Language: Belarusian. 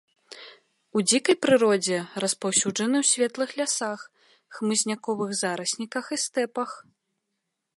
У дзікай прыродзе распаўсюджаны ў светлых лясах, хмызняковых зарасніках і стэпах.